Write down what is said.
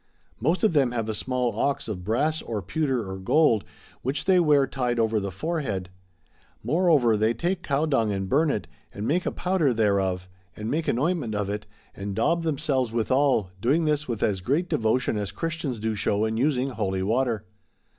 Most of them have a small ox of brass or pewter or gold which they wear tied ov^er the forehead. Moreover they take cow dung and burn it, and make a powder thereof; and make an ointment of it, and daub themselves withal, doing this with as great devotion as Christians do show in using Holy Water.